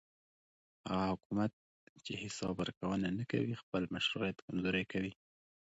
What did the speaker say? هغه حکومت چې حساب ورکوونه نه کوي خپل مشروعیت کمزوری کوي